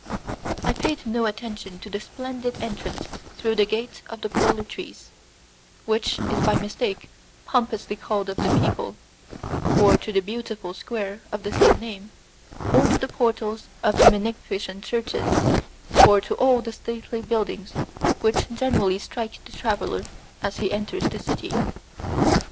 I paid no attention to the splendid entrance through the gate of the polar trees, which is by mistake pompously called of the people, or to the beautiful square of the same name, or to the portals of the magnificent churches, or to all the stately buildings which generally strike the traveller as he enters the city.